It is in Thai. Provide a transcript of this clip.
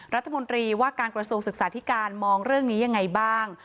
รัฐมนตรีว่าการกระทรวงศึกษาธิการมองเรื่องนี้ยังไงบ้าง